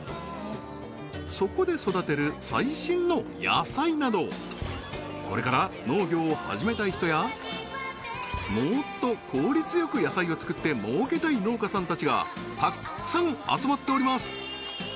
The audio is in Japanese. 面白いね続いてはこれから農業を始めたい人やもっと効率よく野菜を作って儲けたい農家さんたちがたくさん集まっております